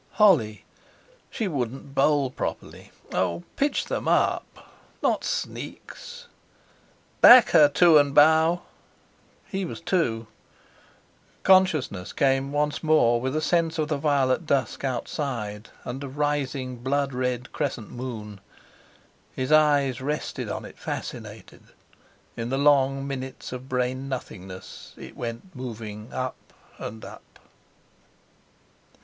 Holly! She wouldn't bowl properly. Oh! Pitch them up! Not sneaks!... "Back her, Two and Bow!" He was Two!... Consciousness came once more with a sense of the violet dusk outside, and a rising blood red crescent moon. His eyes rested on it fascinated; in the long minutes of brain nothingness it went moving up and up....